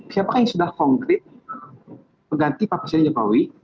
siapakah yang sudah konkret mengganti pak pasirin jepawi